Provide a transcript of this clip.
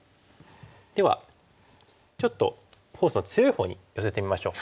ではちょっとフォースの強いほうに寄せてみましょう。